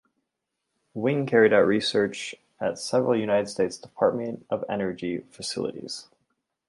Wing carried out research at several United States Department of Energy facilities.